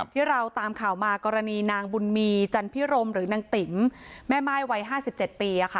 ที่เราตามข่าวมากรณีนางบุญมีจันพิรมหรือนางติ๋มแม่ม่ายวัย๕๗ปี